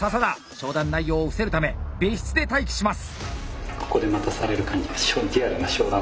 商談内容を伏せるため別室で待機します。